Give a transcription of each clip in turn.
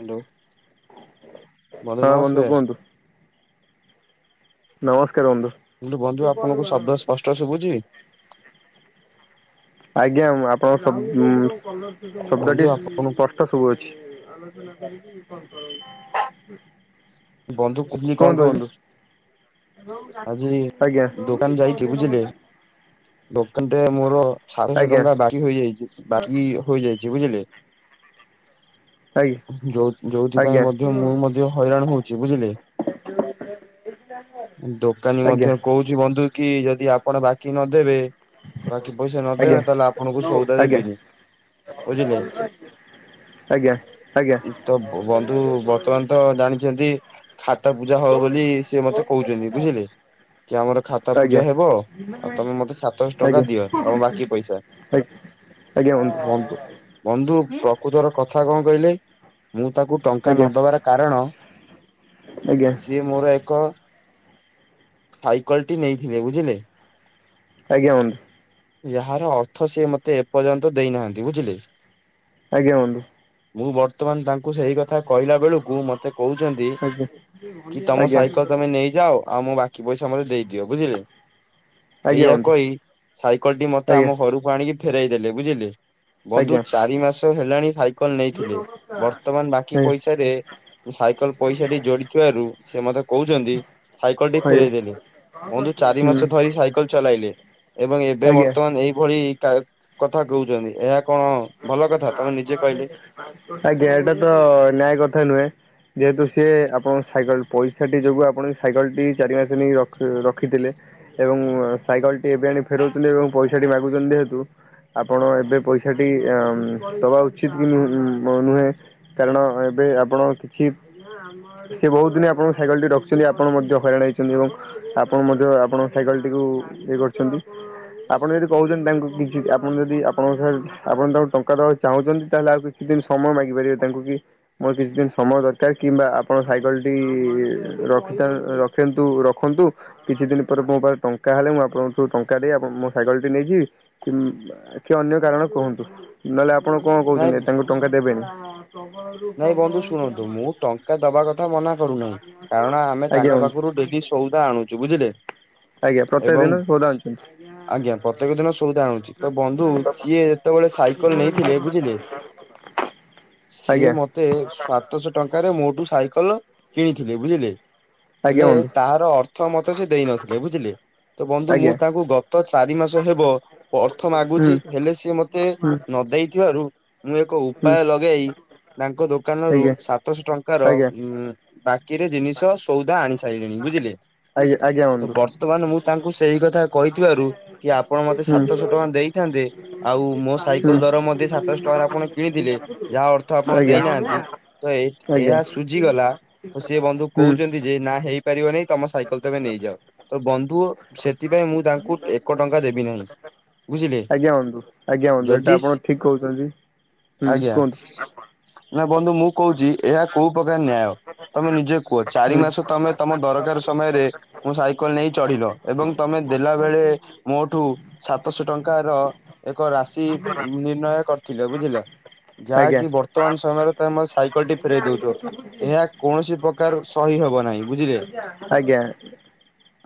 Hello ବନ୍ଧୁ ହଁ ନମସ୍କାର। କୁହନ୍ତୁ ନମସ୍କାର ବନ୍ଧୁ। ମୁଁ କହିଲି ବନ୍ଧୁ ଆପଣଙ୍କୁ ଶବ୍ଦ ସ୍ପଷ୍ଟ ଶୁଭୁଛି? ଆଜ୍ଞା ମୁଁ ଆପଣଙ୍କର ସବୁ ଉଁ ବନ୍ଧୁ ଶବ୍ଦଟି ଆପଣଙ୍କୁ ସ୍ପଷ୍ଟ ସୁବୁ ଅଛି। ବନ୍ଧୁ କୁନି କଁ କହିଲେ। ଆଜି ଆଜ୍ଞା ଦୋକାନ ଯାଇଚି ବୁଝିଲେ ଦୋକାନ ଟେ ମୋରୋ ସାତଶହ ଆଜ୍ଞା ଟଙ୍କା ବାକି ହୋଇଯାଇଚି ବାକି ହୋଇଯାଇଛି ବୁଝିଲେ। ଆଜ୍ଞା ଯୋଉ ଯୋଉଥିପାଇଁ ଆଜ୍ଞା ଆଜ୍ଞା ମଧ୍ୟ ମୁଁ ମଧ୍ୟ ହଇରାଣ ହୋଉ ଛି ବୁଝିଲେ ଦୋକାନୀ ଆଜ୍ଞା ଆଜ୍ଞା ମଧ୍ୟ କୋହୁଛି ବନ୍ଧୁ କି ଯଦି ଆପଣ ବାକି ନଦେବେ ବାକି ପଇସା ଆଜ୍ଞା ନଦେବେ ତାହେଲେ ଆପଣଙ୍କୁ ସୋଉଦା ଦେବିନି। ବୁଝିଲେ [unintelligible] ଆଜ୍ଞା ଆଜ୍ଞା। ତ ବନ୍ଧୁ ଖାତ ପୂଜା ହବ ବୋଲି ସେ ମତେ କହୁଛନ୍ତି ବୁଝିଲେ! କି ଆମର ଖାତା ଆଜ୍ଞା ଆଜ୍ଞା ପୂଜା ହେବ ଆଉ ତମେ ମତେ ସାତଶହ ଟଙ୍କା ଦିଅ ତମ ବାକି ପଇସା ଆଜ୍। ବୁ ବନ୍ଧୁ କକୁ ତର କଥା କଣ କହିଲେ ମୁଁ ତାକୁ ଟଙ୍କା ଆଜ୍ଞା ନଦବାର କାରଣ ଆଜ୍ଞା ସିଏ ମୋର ଏକ ସାଇକେଲ ଟି ନେଇଥିବେ ବୁଝିଲେ! ଆଜ୍ଞା ବନ୍ଧୁ। ଏହାର ଅର୍ଥ ସେ ମୋତେ ଏପର୍ଯ୍ୟନ୍ତ ଦେଇନାହାନ୍ତି ବୁଝିଲେ! ଆଜ୍ଞା ବନ୍ଧୁ। ମୁଁ ବର୍ତ୍ତମାନ ତାଙ୍କୁ ସେଇ କଥା କହିଲା ବେଳକୁ ମତେ କହୁଛନ୍ତି କି ଆଜ୍ଞା ତମ ଆଜ୍ଞା ଆଜ୍ଞା ସାଇକେଲ ବନ୍ଧୁ ତମେ ନେଇଯାଅ ଆଉ ମୁଁ ବାକି ପଇସା ମତେ ଦେଇଦିଅ ବୁଝିଲେ ଏଇଆ ଆଜ୍ଞା। କହି ସାଇକେଲ ଟି ଆଜ୍ଞା ମତେ ଆମ ଘରକୁ ଆଣିକି ଫେରଇ ଦେଲେ ବୁଝିଲେ ବନ୍ଧୁ ଚାରି ମାସ ହେଲାଣି ସାଇକେଲ, ନେଇଥିଲେ ବର୍ତ୍ତମାନ ବାକି ପଇସାରେ ସାଇକେଲ ପଇସା ଟି ଯୋଡିଥିବାରୁ ସେ ମତେ କହୁଛନ୍ତି ସାଇକେଲ ଟି ଫେରଇ ଦେଲେ, ଆଜ୍ଞା ବନ୍ଧୁ ଚାରି ହୁଁ ମାସ ଧରି ସାଇକେଲ ଚଲାଇଲେ ଏବଂ ଏବେ ଆଜ୍ଞା ବର୍ତ୍ତମାନ ଏଇଭଳି କଥା କହୁଛନ୍ତି ଏହା କଣ ଭଲ କଥା ତମେ ନିଜେ କହିଲେ ଆଜ୍ଞା ଟା ତ ନ୍ୟାୟ କଥା ନୁହେଁ। ଯେହେତୁ ସିଏ ଆପଣଙ୍କ ସାଇକେଲ ପଇସାଟି ଯୋଗୁଁ ଆପଣ ସାଇକେଲଟି ଚାରି ମାସ ନେଇ ରଖିଥିଲେ ଏବଂ ସାଇକେଲ ଟି ଏବେ ଆଣି ଫେରଉଛନ୍ତି, ଏବଂ ପଇସା ଟି ମାଗୁଛନ୍ତି ଯେହେତୁ ଆପଣ ଏବେ ପଇସା ଦବା ଉଚିତ କି ନୁହେଁ କାରଣ ଏବେ ଆପଣ କିଛି ସେ ବହୁତ ଦିନ ଆପଣଙ୍କ ସାଇକେଲ ଟି ରଖିଛନ୍ତି, ଆପଣ ମଧ୍ୟ ହଇରାଣ ହେଇଛନ୍ତି ଏବଂ ଆପଣ ମଧ୍ୟ ଆପଣଙ୍କ ସାଇକେଲ ଟି ଇଏ କରିଛନ୍ତି, ଆପଣ ଯଦି କହୁଛନ୍ତି, ତାଙ୍କୁ କିଛି ଆପଣ ଯଦି ଆପଣଙ୍କ ଆପଣ ତାଙ୍କୁ ଟଙ୍କା ଦବାକୁ ଚାହୁଁଛନ୍ତି, ତାହେଲେ ଆଉ କିଛି ଦିନ ସମୟ ମାଗି ପାରିବେ ତାଙ୍କୁ କି ମୋର କିଛି ଦିନ ସମୟ ଦରକାର କିମ୍ବା ଆପଣ ସାଇକେଲଟି ରଖି ରଖନ୍ତୁ ରଖନ୍ତୁ କିଛି ଦିନ ପରେ ମୁଁ ଟଙ୍କା ହେଲେ, ମୁଁ ଆପଣଙ୍କୁଠୁ ଟଙ୍କା ଦେଇ ମୋ ସାଇକଲ ଟି ନେଇଯି କି କିଏ ଅନ୍ୟ କାରଣ କୁହନ୍ତୁ! ନହେଲେ ଆପଣ କଣ କହୁଛନ୍ତି, ନାଇଁ ତାଙ୍କୁ ଟଙ୍କା ଦେବେନି? ନାଇଁ ବନ୍ଧୁ ଶୁଣନ୍ତୁ, ମୁଁ ଟଙ୍କା ଦବା କଥା ମନା କରୁନାହିଁ କାରଣ ଆମେ ଆଜ୍ଞା ତାଙ୍କ ବନ୍ଧୁ ପାଖରୁ ଡେଲି ସଉଦା ଆଣୁଛୁ ବୁଝିଲେ ଆଜ୍ଞା ପ୍ରତ୍ୟେକ ଏବଂ ଦିନ ଶୋଦା ଅନିଛନ୍ତି। ଆଜ୍ଞା ପ୍ରତ୍ୟେକ ଦିନ ସୋଧା ଆଣୁଛି, ତ ବନ୍ଧୁ ସିଏ ଯେତେବେଳେ ସାଇକେଲ ନେଇଥିଲେ ବୁଝିଲେ [inaudible] ସିଏ ଆଜ୍ଞା ମୋତେ ସାତ ଶହ ଟଙ୍କାରେ ମୋଟୁ ସାଇକେଲ କିଣିଥିଲେ ବୁଝିଲେ ଆଜ୍ଞା ହେଲେ ବନ୍ଧୁ ତହାର ଅର୍ଥ ମତେ ସେ ଦେଇ ନଥିଲେ ବୁଝିଲେ ତ ବନ୍ଧୁ ମୁଁ ଆଜ୍ଞା ତାଙ୍କୁ ଗତ ଚାରି ମାସ ହେବ ପ୍ରର୍ଥ ହୁଁ ମାଗୁଛି, ହେଲେ ସିଏ ମତେ ହୁଁ ନ ଦେଇଥିବାରୁ ମୁଁ ହୁଁ ଉପାୟ ଲଗେଇ, ତାଙ୍କ ଦୋକାନ ରୁ ଆଜ୍ଞା ସାତଶହ ଟଙ୍କାର ଆଜ୍ଞା ଉ ବା ରେ ଜିନିଷ ସଉଦା ଆଣି ସାରିଲେଣି ବୁଝିଲେ ଆଜ୍ଞା ଆଜ୍ଞା ତ ବନ୍ଧୁ ବର୍ତ୍ତମାନ, ମୁଁ ତାଙ୍କୁ ସେଇ କଥା କହିଥିବାରୁ କି ଆପଣ ମତେ ହୁଁ ସାତଶହ ଟଙ୍କା ଦେଇଥା ଆଉ ମୋ ସାଇକେଲ ହୁଁ ଦର ମଧ୍ୟ ସାତହ ଟଙ୍କ ଆପଣ କିଣିଥିଲେ ଯାହା ଅର୍ଥ ଆପଣ ଆଜ୍ଞା ଦେଇନାହାନ୍ତି ତ ଆଜ୍ଞା ଏହା ସୁଝଗଲା ସ ହୁଁ କହୁଛନ୍ତି ଯେ ନା ହେଇପାରିବ ନାହିଁ, ତମ ସାଇକେଲ ତମେ ନେଇଯାଅ ତ ବନ୍ଧୁ ସେଥିପାଇଁ ମୁଁ ତାଙ୍କୁ ଏକ ଟଙ୍କା ଦେବି ନାହିଁ। ବୁଝିଲେ ଆଜ୍ଞା ବନ୍ଧୁ, ଆଜ୍ଞା ବନ୍ଧୁ, ଯଦି ଏଇଟା ସି ଆପଣ ଠିକ କହୁଛନ୍ତି ହୁଁ ଆଜ୍ଞା। କୁହନ୍ତୁ! ନା ବନ୍ଧୁ ମୁଁ କହୁଛି ଏହା କୋଉ ପ୍ରକାର ନ୍ୟାୟ ତମେ ନିଜେ କୁହ? ଚାରି ହୁଁ ମାସ ତମେ ତମ ଦରକାର ସମୟରେ ମୁଁ ସାଇକେଲ ନେଇ ଚଢିଲ ଏବଂ ତମେ ଦେଲା ବେଳେ ମୋଠୁ ସାତଶହ ଟଙ୍କାର ଏକ ରାଶି ନିର୍ଣ୍ଣୟ କରିଥିଲେ ବୁଝିଲ ଆଜ୍ଞା ଯାହାକି ବର୍ତ୍ତମାନ ସମୟରେ ତମେମ ସାଇକେଲ ଟି ଫେରଇ ଦଉଛ ଏହା କୌଣସି ପ୍ରକାର ସହି ହବ ନାହିଁ ବୁଝିଲେ ଆଜ୍ଞା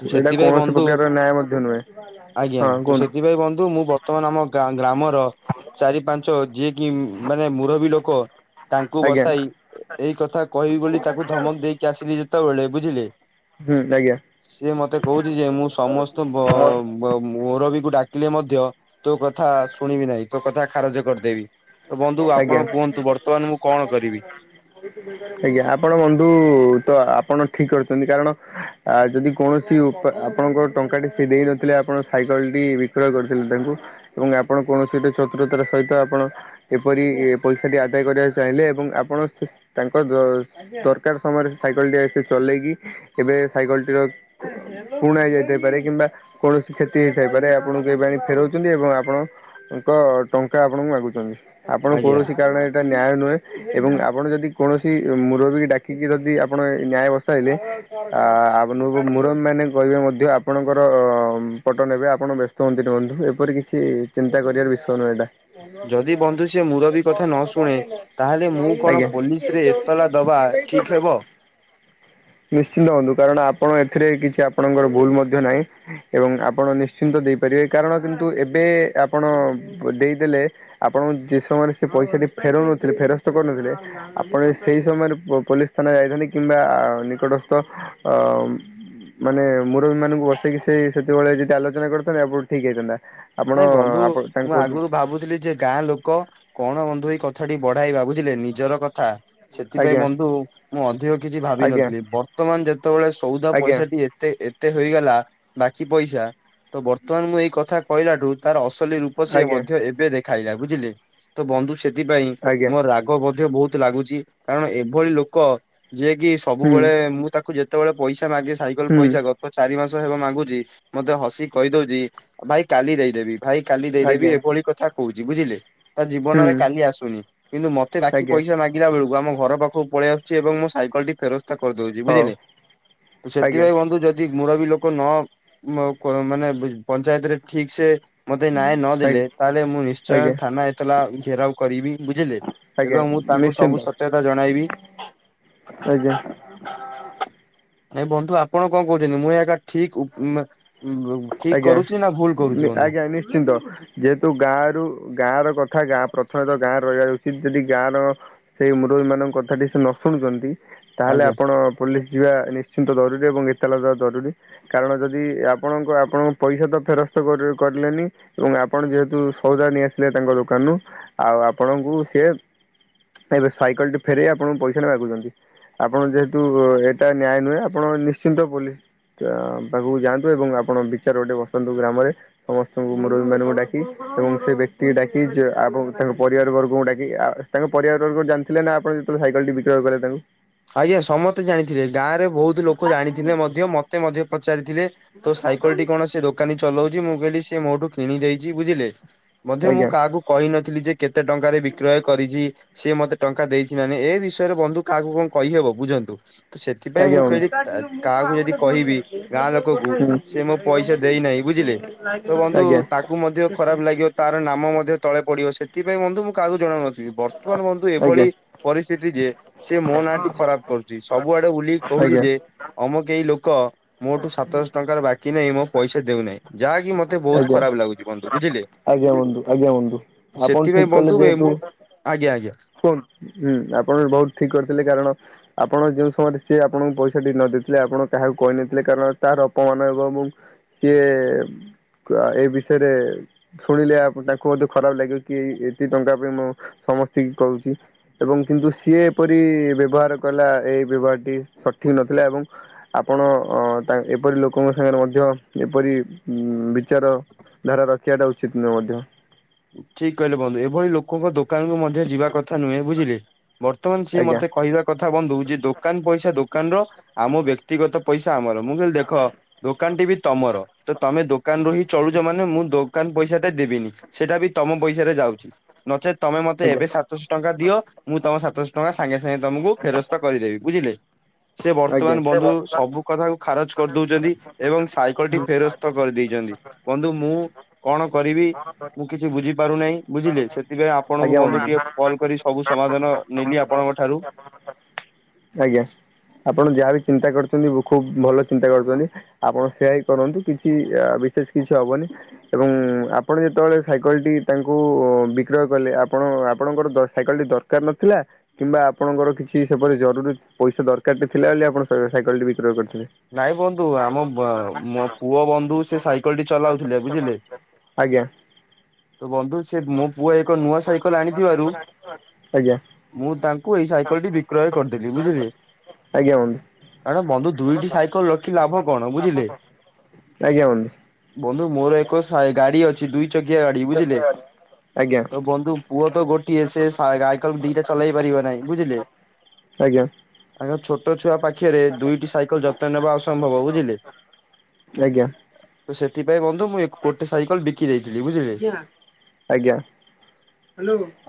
ତୁ ଏଇଟା ସେଥିପାଇଁ କୌଣସି ବନ୍ଧୁ ପ୍ରକାର ନ୍ୟାୟ ମଧ୍ୟ ନୁହେଁ ଆଜ୍ଞା ହଁ ତୁ କୁହନ୍ତୁ ସେଥିପାଇଁ ବନ୍ଧୁ ମୁଁ ବର୍ତମାନ ଆମ ଗ୍ରାମର ଚାରି ପାଞ୍ଚ ଯିଏ କି ମାନେ ମୁରବିଲ ଲୋକ ତାଙ୍କୁ ଆଜ୍ଞା ବସାଇ ଏଇ କଥା କହିବି ବୋଲି ତାକୁ ଧମକ ଦେଇକି ଆସିଲି ଯେ ସେତେବେଳେ ବୁଝିଲେ ହୁଁ ଆଜ୍ଞା ସିଏ ମତେ କହୁଛି ଯେ ମୁଁ ସମସ୍ତ ଓରବିକୁ ଡାକିଲେ ମଧ୍ୟ ତୋ କଥା ଶୁଣିବି ନାହିଁ ତୋ କଥା ଖାରଜ କରିଦେବି ତ ବନ୍ଧୁ ଆପଣ ଆଜ୍ଞା କୁହନ୍ତୁ ବର୍ତ୍ତମାନ ମୁଁ କଣ କରିବି? ଆଜ୍ଞା ଆପଣ ବନ୍ଧୁ ତ ଆପଣ ଠିକ କରିଛନ୍ତି, କାରଣ ଯଦି କୌଣସି ଆପଣଙ୍କ ଟଙ୍କାଟି ସେ ଦେଇ ନଥିଲେ ଆପଣ ସାଇକେଲ ଟି ବିକ୍ରୟ କରିଥିଲେ, ତାଙ୍କୁ ଏବଂ ଆପଣ କୌଣସି ଗୋଟେ ଚତୁରତାର ସହିତ ଆପଣ ଏପରି ପଇସାଟି ଆଦାୟ କରିବାକୁ ଚାହିଁଲେ, ଏବଂ ଆପଣ ତାଙ୍କ ଦରକାର ସମୟରେ ସାଇକଲ ଟି ଆସି ଚଲେଇକି ଏବେ ସାଇକେଲ ଟିର ପୁଣା ହେଇ ଯାଇଥାଇପାରେ କିମ୍ବା କୌଣସି କ୍ଷତି ହେଇ ସାଇପାରେ ଆପଣଙ୍କୁ ସେ ଫେରଉଛନ୍ତି, ଏବଂ ଆପଣଙ୍କ ଟଙ୍କା ଆପଣଙ୍କୁ ମାଗୁଛନ୍ତି ଆପଣ ଆଜ୍ଞା କୌଣସି କାରଣ ଏଇଟା ନ୍ୟାୟ ନୁହେଁ ଏବଂ ଆପଣ ଯଦି କୌଣସି ମୁରବୀକୁ ଡାକିକି ଯଦି ଆପଣ ନ୍ୟାୟ ବସାଇଲେ ଆ ଆପଣଙ୍କୁ ମୁରବୀ ମାନେ କହିବେ ମଧ୍ୟ ଆପଣଙ୍କର ଅ ପଟ ନେବେ ଆପଣ ବ୍ୟସ୍ତ ହୁଅନ୍ତି ଏପରି କିଛି ଚିନ୍ତା କରିବାର ବିଷୟ ନୁହଁ ଏଇଟା ଯଦି ବନ୍ଧୁ ସେ ମୁରବୀ କଥା ନ ଶୁଣେ ତାହେଲେ ମୁଁ କଣ ଆଜ୍ଞା। ପୋଲିସ ରେ ଏତଲା ଦବା ଠିକ ହେବ? ନିଶ୍ଚିନ୍ତ ହୁଅନ୍ତୁ କାରଣ ଆପଣ ଏଥିରେ କିଛି ଆପଣଙ୍କର ଭୁଲ ମଧ୍ୟ ନାହିଁ ଏବଂ ଆପଣ ନିଶ୍ଚିନ୍ତ ଦେଇପାରିବେ କାରଣ, କିନ୍ତୁ ଏବେ ଆପଣ ଦେଇଦଲେ ଆପଣ ସମୟରେ ସେ ପଇସା ଟି ଫେରଉନଥିଲେ, ଫେରସ୍ତ କରନଥିଲେ ଆପଣ ସେଇ ସମୟରେ ପୋଲିସ ଥାନା ଯାଇଥିଲେ କିମ୍ ନିକଟସ୍ଥ ମାନେ ମୁରବୀ ମାନଙ୍କୁ ବସେଇି ସେତେବେଳେ ଯଦି ଆଲୋଚନା କରିଥାନ୍ତା ଆପଟ ଠିକ ହେଇଥାନ୍ତା ଆପଣ ନାଇଁ ବନ୍ଧୁ ଆପଣ ମୁଁ ତାଙ୍କୁ ଆଗରୁ ଭାବୁଥିଲି ଯେ ଗାଁ ଲୋକ କଣ ବନ୍ଧୁ ଏଇ କଥାଟି ବଢେଇବା ବୁଝିଲେ ନିଜର କଥା ସେଥିପାଇଁ ଆଜ୍ଞା ବନ୍ଧୁ ମୁଁ ଅଧିକ କିଛି ଆଜ୍ଞା ଭାବିନଥିଲି ବର୍ତ୍ତମାନ ଯେତେବେଳେ ସଉଦା ଆଜ୍ଞା ପଇସା ଟି ଏତେ ଏତେ ହେଇଗଲା ବାକି ପଇସା ତ ବର୍ତ୍ତମାନ ମୁଁ ଏଇ କଥା କହିଲାଠୁ ତାର ଅସଲି ରୂପ ସେ ଆଜ୍ଞା ମଧ୍ୟ ଏବେ ଦେଖ ଖାଇଲା ବୁଝିଲେ ତ ବନ୍ଧୁ ସେଥିପାଇଁ ଆଜ୍ଞା ମୋ ରାଗ ମଧ୍ୟ ବହୁତ ଲାଗୁଛି କାରଣ ଏଭଳି ଲୋକ ଯି କି ହୁଁ ସବୁବେଳେ ମୁଁ ତାକୁ ଯେତେବେଳେ ପଇସା ମାଗେ ସାଇକେଲ ହୁଁ ପଇସା ଗତ ଚାରି ମାସ ହେବ ମାଗୁଛି ମତେ ହସି କହିଦଉଛି ଭାଇ କାଲି ଦେଇଦେବି, ଭାଇ କାଲି ଦେଇଦେବି ଆଜ୍ଞା ଏଭଳି କଥା କହୁଛି ବୁଝିଲେ ତା ହୁଁ ଜୀବନରେ କାଲି ଆସୁନି କିନ୍ତୁ ମତେ ବାକି ଆଜ୍ଞା ପଇସା ମାଗିଲା ବେଳକୁ ଆମ ଘ ପାଖକୁ ପଳ ଆସଛି, ଏବଂ ମୁଁ ସାଇକଲ ଟି ଫେରଛି କରିଦଉଛି ହଉ ବୁଝିଲେ ତ ଆଜ୍ଞା ସେଥିପାଇଁ ବନ୍ଧୁ ଯଦି ମୁର ବି ଲୋକ ନ ମାନେ ପଞ୍ଚାୟତରେ ଠିକ ସେ ମତେ ନ୍ୟାୟ ନଦେଲେ ଆଜ୍ଞା ତାହେଲେ ମୁଁ ନିଶ୍ଚୟ ଆଜ୍ଞା ଥାନା ଏତେଲା ଘେରାଉ କରିବି ବୁଝିଲେ ଆଜ୍ଞା ଏବଂ ମୁଁ ତାଙ୍କୁ ସବୁ ନିଶ୍ଚିନ୍ତ ସତ୍ୟତା ଜଣାଇବି ଆଜ୍ଞା। ଏ ବନ୍ଧୁ ଆପଣ କଣ କହୁଛନ୍ତି, ମୁଁ ଏହା ଏକା ଠିକ ଠିକ ଆଜ୍ଞା। କରୁଛି ନା ଭୁଲ! କରୁଛି ବନ୍ଧୁ ଆଜ୍ଞା ନିଶ୍ଚିନ୍ତ ଯେହେତୁ ଗାଁ ରରୁ ଗାଁ ର କଥା ତଥା ଗାଁ ପ୍ରଥମେ ତ ଗାଁ ରହିବା ଯାଉଚଛି, ଯଦି ଗାଁ ର ସେଇ ମରୁହୀ ମାନଙ୍କ କଥା ସେ ନ ଶୁଣୁଛନ୍ତି ତାହେଲେ ଆଜ୍ଞା। ଆପଣ ପୋଲିସ ଯିବା ନିଶ୍ଚିନ୍ତ ଜରୁରୀ, ଏବଂ ଏତଲା ଯବା ଜରୁରୀ କାରଣ ଯଦି ଆପଣଙ୍କ ଆପଣଙ୍କ ପଇସା ତ ଫେରସ୍ତ କରିଲେନି, ଏବଂ ଆପଣ ଯେହେତୁ ସଉଦା ନେଇ ଆସିଲେ ତାଙ୍କ ଦୋକାନରୁ ଆଉ ଆପଣଙ୍କୁ ସିଏ ଏବେ ସାଇକେଲ ଟେ ଫେରାଇ ଆପଣଙ୍କୁ ପଇସା ନେବାମାଗୁଛନ୍ତି ଆପଣ ଯେହେତୁ ଏଇଟା ନ୍ୟାୟ ନୁହେଁ ଆପଣ ନିଶ୍ଚିନ୍ତ ପୋଲିସ ତ ପାଖକୁ ଯାଆନ୍ତୁ ଏବଂ ଆପଣ ବି ଚାରୋ ଗୋଟେ ବସନ୍ତୁ ଗ୍ରାମରେ ସମସ୍ତଙ୍କୁ ମୁରବି ମାନଙ୍କୁ ଡାକି ଏବଂ ସେ ବ୍ୟକ୍ତି ଡାକି ତାଙ୍କ ପରିବାର ବର୍ଗଙ୍କୁ ଡାକି ଆ ତାଙ୍କ ପରିବାର ବର୍ଗ ଜାଣିଥିଲେ ନା ଆଣ ଯେତେଳେ ସାଇକେଲ ଟି ବିକ୍ରୟ କଲେ ତାଙ୍କୁ ଆଜ୍ଞା ସମସ୍ତେ ଜାଣିଥିଲେ ଗାଁ ରେ ବହୁତ ଲୋକ ଜାଣିଥିଲେ ମଧ୍ୟ ମତେ ମଧ୍ୟ ପଚାରିଥିଲେ ତ ସେ ସାଇକଲ ଟି କଣସେ ଦୋ ଦୋକାନୀ ଚଲଉଛି ମୁଁ କହିଲି ସେ ମୋଠୁ କିଣିଦେଇଛି ବୁଝିଲେ ମଧ୍ୟ ମୁଁ ଆଜ୍ଞା କାହାକୁ କହିନଥିଲି ଯେ କେତେ ଟଙ୍କାରେ ବିକ୍ରୟ କରିଛି ସିଏ ମତେ ଟଙ୍କା ଦେଇଛି ନାହି ଏ ବିଷୟରେ ବନ୍ଧୁ କାହାକୁ କଣ କହିହବ ବୁଝନ୍ତୁ । ସେଥିପାଇଁ ଆଜ୍ଞା ମୁଁ ବନ୍ଧୁ। କହିଲି ଆଜ୍ଞା ତା ଆଜ୍ଞା ଆଜ୍ଞା ଆଜ୍ଞା। କାହାକୁ ଯଦି ଆଜ୍ଞା କହିବି ଗାଁ ଲୋକକୁ ସେ ମୋ ପଇସା ଦେଇନାହିଁ ବୁ ବୁଝିଲେ ତ ବନ୍ଧୁ ତାକୁ ମଧ୍ୟ ଖରାପ ଲାଗିବ ତାର ନାମ ମଧ୍ୟ ତଳେ ପଡିବ ସେଥିପାଇଁ ବନ୍ଧୁ ମୁ କାହାକୁ ଜଣାଉନଥିଲି ବର୍ତ୍ତମାନ ବନ୍ଧୁ ଏଭଳି ପରିସ୍ଥିତି ଯେ ସେ ମୋ ନାଁଟି ଖରାପ କରୁଛି ସବୁଆଡେ ବୁଲିକି କହୁଛି ଯେ ଅମ କେହି ଲୋକ ମୋଠୁ ସାତଶହ ଟଙ୍କାର ବାକି ନାହିଁ ମୋ ପଇସା ଦେଉନାହିଁ ଯାହାକି ମୋତେ ବହୁତ ଖରାପ ଲାଗୁଛି ବନ୍ଧୁ ବୁଝିଲେ ଆଜ୍ଞା ବନ୍ଧୁ ଆଜ୍ଞା ବନ୍ଧୁ ଆପଣ ସେଥିପାଇଁ ଠିକ କଲେ ବନ୍ଧୁ ଏ ଯେହେତୁ ମୋ- ଆଜ୍ଞା ଆଜ୍ଞା। କୁନ ହୁଁ ଆପଣ ବହୁତ ଠିକ କରିଥିଲେ କାରଣ ଆପଣ ଯେଉ ସମୟରେ ସିଏ ଆପଣଙ୍କୁ ପଇସା ଟି ନ ଦେଇଥିଲେ ଆପଣ କାହାକୁ କହିନଥିଲେ କାରଣ ତାର ଅପମାନ ଏବଂ ବଂ କିଏ ତୁଆ ଏଇ ବିଷୟରେ ଶୁଣିଲେ ଆ ତାଙ୍କୁ ମତେ ଖରାପ ଲାଗିବ କି ଏଇ ଏତି ଟଙ୍କା ପାଇଁ ମୁଁ ସମସ୍ତଙ୍କୁ କହୁଛି ଏବଂ କିନ୍ତୁ ସିଏ ଏପରି ବ୍ୟବହାର କଲା ଏଇ ବ୍ୟବହାରଟି ସଠିକ ଠିକ୍ ନଥିଲା ଏବଂ ଆପଣ ତା ଏପରି ଲୋକଙ୍କ ସାଙ୍ଗରେ ମଧ୍ୟ ଏପରି ଉ ବିଚାର ଧାରା ରଖିବାଟା ଉଚିତ ନୁହେ ମଧ୍ୟ ଠିକ କହିଲେ ବନ୍ଧୁ ଏଭଳି ଲୋକଙ୍କ ଦୋକାନକୁ ମଧ୍ୟ ଯିବା କଥା ନୁହେଁ ବୁଝିଲେ ବର୍ତ୍ତମାନ ସିଏ ଆଜ୍ଞା ମତେ କହିବା କଥା ବନ୍ଧୁ ଯେ ଦୋକାନ ପଇସା ଦୋକାନ ର ଆମ ବ୍ୟକ୍ତିଗତ ପଇସା ଆମର ମୁଁ କହିଲି ଦେଖ ଦୋକାନ ଟି ବି ତମର ତ ତମେ ଦୋକାନ ରୁ ହି ଚଳୁଛ ମାନେ ମୁଁ ଦୋକାନ ପଇସା ଟା ଦେବିନି ସେଟା ବି ତମ ପଇସାରେ ଯାଉଛି ନଚେତ ତମେ ମତେ ଆଜ୍ଞା ଏବେ ସାତ ଶହ ଟଙ୍କା ଦିଅ ମୁଁ ତମ ସାତଶ ଟଙ୍କା ସାଙ୍ଗେ ସାଙ୍ଗେ ତମକୁ ଫେରସ୍ତ କରିଦେବି ବୁଝିଲେ ସେ ଆଜ୍ଞା। ବର୍ତ୍ତମାନ ବନ୍ଧୁ ସବୁ କଥାକୁ ଖାରଜ କରିଦଉଛନ୍ତି ଏବଂ ସାଇକେଲ ଟି ଫେରସ୍ତ କରିଦେଇଛନ୍ତି । ବନ୍ଧୁ ମୁଁ କଣ କରିବି ମୁଁ କିଛି ବୁଝିପାରୁନାହିଁ ବୁଝିଲେ ସେଥିପାଇଁ ଆପଣଙ୍କୁ ବନ୍ଧୁ ଟିକେ କଲ୍ କରି ସବୁ ସମାଧାନ ନେଲି ଆ ଆପଣଙ୍କ ଠାରୁ ଆଜ୍ଞା ଆପଣ ଯାହାବି ଚିନ୍ତା କରୁଛନ୍ତି ଖୁବ୍ ଭଲ ଚିନ୍ତା କରୁଛନ୍ତି ଆପଣ ସେୟା ହିଁ କରନ୍ତୁ କିଛି ଆ ବିଶେଷ କିଛି ହବନି ଏବଂ ଆପଣ ଯେତେବେଳେ ସାଇକେଲ ଟି ତାଙ୍କୁ ବିକ୍ରୟ କଲେ ଆପଣ ଆପଣଙ୍କର ଦଶ ସାଇକେଲ ଟି ଦରକାର ନଥିଲା କିମ୍ବା ଆପଣଙ୍କର କିଛି ସେପରି ଜରୁରୀ ପଇସା ଦରକାର ଟେ ଥିଲାବେଳେ ଆପଣ ସା ସାଇକେଲ ଟି ବିକ୍ରୟ କରି ନାଇଁ ବନ୍ଧୁ ଆମ ବ ମୋ ପୁଅ ବନ୍ଧୁ ସେ ସାଇକେଲ ଟି ଚଲାଉଥିଲେ ବୁଝିଲେ ଆଜ୍ଞା । ତ ବନ୍ଧୁ ସେ ମୋ ପୁଅ ଏକ ନୂଆ ସାଇକେ ଆଣିଥିବାରୁ ଆଜ୍ଞା ମୁଁ ତାଙ୍କୁ ଏଇ ସାଇକେଲ ଟି ବିକ୍ରୟ କରିଦେଲି ବୁଝିଲେ ଆଜ୍ଞା ବନ୍ଧୁ କାରଣ ବନ୍ଧୁ ଦୁଇଟି ଲଖି ଲାଭ କଣ ବୁଝିଲେ ଆଜ୍ଞା ବନ୍ଧୁ ବନ୍ଧୁ ମୋର ଏକ ସାଇକେଲ ଗାଡ଼ି ଅଛି ଦୁଇ ଚକିଆ ଗାଡ଼ି ବୁଝିଲେ ଆଜ୍ଞା ତ ବନ୍ଧୁ ପୁଅ ତ ଗୋଟିଏ ସେ ସାଆ ଗାଇକଲ ଦିଟା ଚଲେଇ ପାରିବ ନାହିଁ ବୁଝିଲେ [unintelligible] ଆଜ୍ଞା ଛୋଟ ଛୋଟ ଛୁଆ ପାଖିରେ ଦୁଇଟି ସାଇକେଲ ଯତ୍ନ ନେବା ଅସମ୍ଭବ ବୁଝିଲେ ଆଜ୍ଞା ସେଥିପାଇଁ ବନ୍ଧୁ ମୁଁ ଗୋଟେ ସାଇକେଲ ବିକି ଦେଇଥିଲି ବୁଝିଲେ । ଆଜ୍ଞା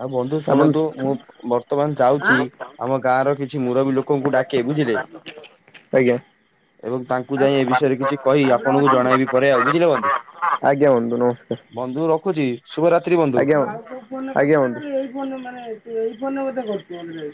ଆଉ ବନ୍ଧୁ ଆପଣ ଶୁଣନ୍ତୁ ମୁଁ ବର୍ତ୍ତମାନ ଯାଉଛି ଆମ ଗାଁ ର କିଛି ମୁରବି ଲୋକଙ୍କୁ ଡାକେ ବୁଝିଲେ ଆଜ୍ଞା। ଏବଂ ତାଙ୍କୁ ଯାଇ ଏ ବିଷୟରେ କିଛି କହି ଆପଣଙ୍କୁ ଜଣାଇବି ପରେ ଆଉ ବୁଝିଲେ ବନ୍ଧୁ? ଆଜ୍ଞା ବନ୍ଧୁ ନମସ୍କାର ବନ୍ଧୁ । ରଖୁଛି ଶୁଭରାତ୍ରି ଆଜ୍ଞା ବନ୍ଧୁ ଆଜ୍ଞା ବନ୍ଧୁ